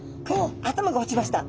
頭が落ちました。